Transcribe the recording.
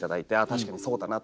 確かにそうだなと。